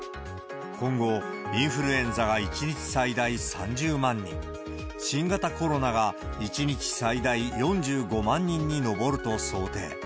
今後、インフルエンザが１日最大３０万人、新型コロナが１日最大４５万人に上ると想定。